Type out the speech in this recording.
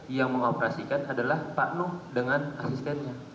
yang mengoperasikan adalah pak nuh dengan asistennya